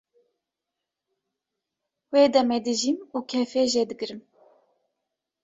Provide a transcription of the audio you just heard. wê demê dijîm û kêfê jê digrim